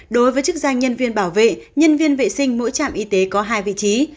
đối với chức danh nhân viên bảo vệ nhân viên vệ sinh mỗi trạm y tế có hai vị trí